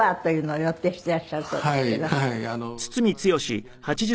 はい。